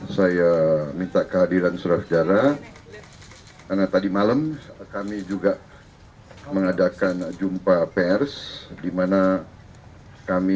saya minta kehadiran surat sejarah karena tadi malam kami juga mengadakan jumpa pers dimana kami